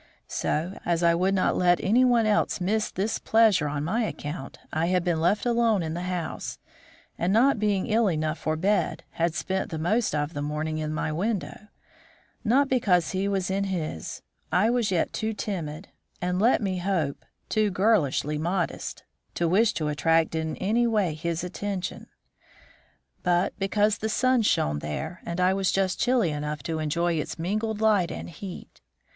So, as I would not let any one else miss this pleasure on my account, I had been left alone in the house, and, not being ill enough for bed, had spent the most of the morning in my window not because he was in his; I was yet too timid, and, let me hope, too girlishly modest, to wish to attract in any way his attention but because the sun shone there, and I was just chilly enough to enjoy its mingled light and heat.